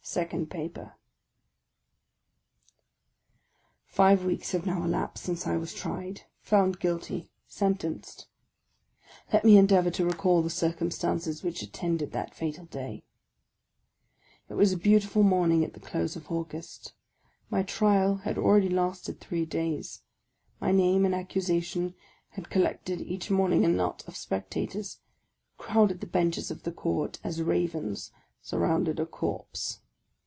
" SECOND PAPER FIVE weeks have now elapsed since I was tried, — found guilty, — sentenced. Let me endeavour to recall the circumstances which attended that fatal day. It was a beautiful morning at the close of August. My trial had already lasted three days ; my name and accusation had collected each morning a knot of spectators, who crowded the benches of the Court, as ravens surrounded a corpse.